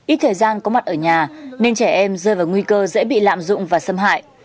ít thời gian có mặt ở nhà nên trẻ em rơi vào nguy cơ dễ bị lạm dụng và xâm hại